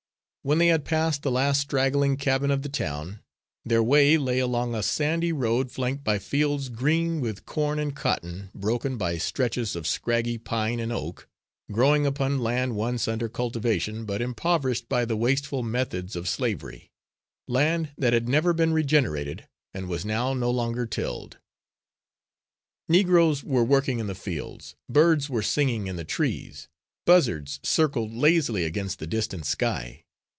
When they had passed the last straggling cabin of the town, their way lay along a sandy road, flanked by fields green with corn and cotton, broken by stretches of scraggy pine and oak, growing upon land once under cultivation, but impoverished by the wasteful methods of slavery; land that had never been regenerated, and was now no longer tilled. Negroes were working in the fields, birds were singing in the trees. Buzzards circled lazily against the distant sky.